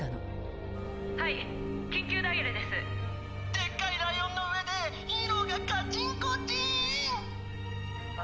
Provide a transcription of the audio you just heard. でっかいライオンの上でヒーローがカチンコチン！え？